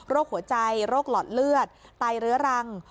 หัวใจโรคหลอดเลือดไตเรื้อรัง